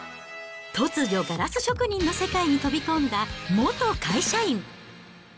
突如、ガラス職人の世界に飛び込んだ元会社員。